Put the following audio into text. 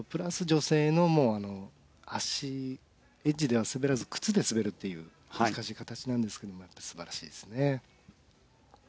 女性のもう足エッジでは滑らず靴で滑るっていう難しい形なんですけども素晴らしいですね。